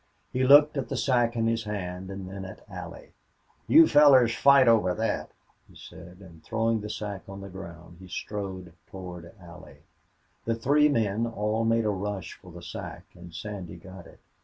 He looked at the sack in his hand and then at Allie. "You fellers fight over thet," he said, and, throwing the sack on the ground, he strode toward Allie. The three men all made a rush for the sack and Sandy got it.